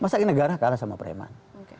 tindakan sama preman